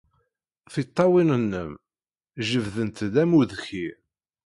Tiṭṭawin-nnem jebbdent-d am udkir.